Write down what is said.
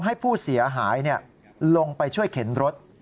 ให้ผู้เสียหายลงไปช่วยเข็นรถ